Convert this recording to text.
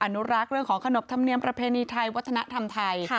อนุรักษ์เรื่องของขนบธรรมเนียมประเพณีไทยวัฒนธรรมไทย